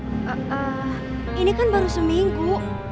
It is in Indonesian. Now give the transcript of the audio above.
eh eh ini kan baru seminggu